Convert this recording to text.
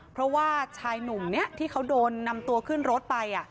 เพราะว่าชายหนุ่มนี้ที่เขาโดนนำตัวขึ้นรถไป